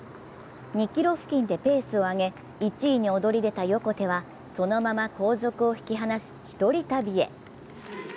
２ｋｍ付近でペースを上げ、１位に躍り出た横手はそのまま後続を引き離し１人旅へ。